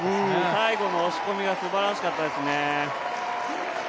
最後の押し込みがすばらしかったですね。